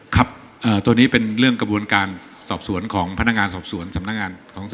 ครับตัวนี้เป็นเรื่องกระบวนการสอบสวนของพนักงานสอบสวนสำนักงานของ